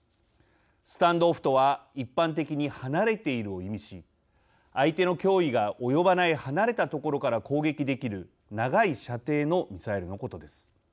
スタンドオフとは一般的に「離れている」を意味し相手の脅威が及ばない離れた所から攻撃できる長い射程のミサイルのことです。